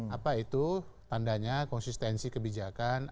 apa itu tandanya konsistensi kebijakan